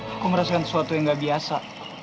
aku merasakan sesuatu yang gak biasa